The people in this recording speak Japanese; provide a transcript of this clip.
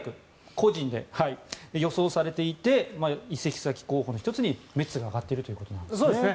個人で、予想されていて移籍先候補の１つにメッツが挙がっているということです。